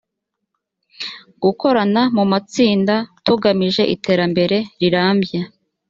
gukorana mu matsinda tugamije iterambere rirambye